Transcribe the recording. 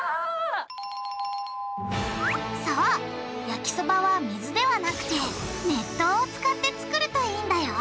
焼きそばは水ではなくて熱湯を使ってつくるといいんだよ